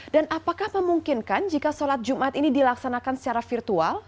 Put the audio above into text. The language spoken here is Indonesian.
dan apakah memungkinkan jika sholat jumat ini dilaksanakan secara virtual